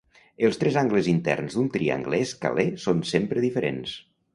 Els tres angles interns d'un triangle escalè són sempre diferents.